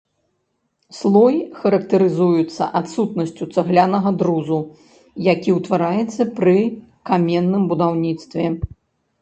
Слой характарызуецца адсутнасцю цаглянага друзу, які ўтвараецца пры каменным будаўніцтве.